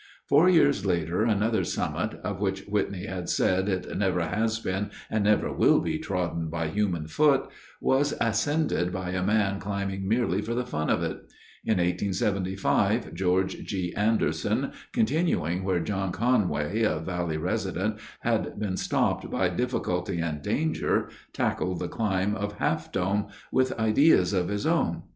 Four years later another summit, of which Whitney had said, it "never has been, and never will be trodden by human foot," was ascended by a man climbing merely for the fun of it. In 1875, George G. Anderson, continuing where John Conway, a valley resident, had been stopped by difficulty and danger, tackled the climb of Half Dome with ideas of his own.